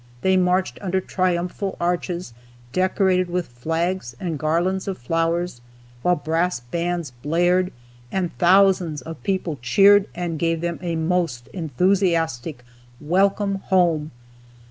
They marched under triumphal arches, decorated with flags and garlands of flowers, while brass bands blared, and thousands of people cheered, and gave them a most enthusiastic "Welcome Home!"